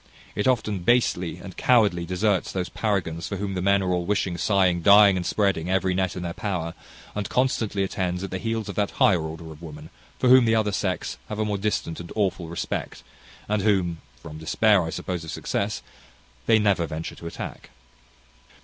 It often basely and cowardly deserts those paragons for whom the men are all wishing, sighing, dying, and spreading every net in their power; and constantly attends at the heels of that higher order of women for whom the other sex have a more distant and awful respect, and whom (from despair, I suppose, of success) they never venture to attack.